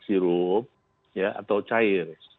sirup ya atau cair